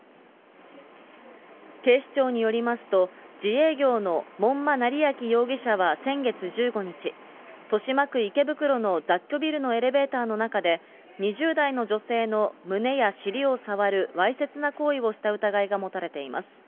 警視庁によりますと、自営業の門馬なりあき容疑者は先月１５日、豊島区池袋の雑居ビルのエレベーターの中で、２０代の女性の胸や尻を触るわいせつな行為をした疑いが持たれています。